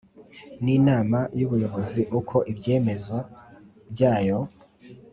N inama y ubuyobozi uko ibyemezo byayo